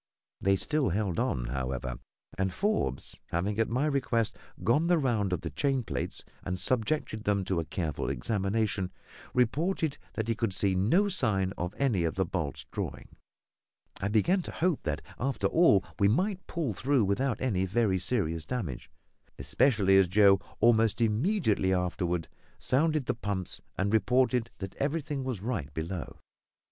They still held on, however; and a little later, when Forbes, having at my request gone the round of the chain plates, and subjected them to a careful examination, reported that he could see no sign of any of the bolts drawing, I began to hope that, after all, we might pull through without any very serious damage, especially as Joe almost immediately afterwards sounded the pumps and reported that everything was right below.